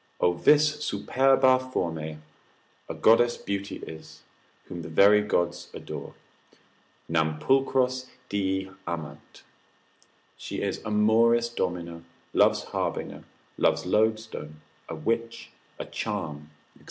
O vis superba formae, a goddess beauty is, whom the very gods adore, nam pulchros dii amant; she is Amoris domina, love's harbinger, love's loadstone, a witch, a charm, &c.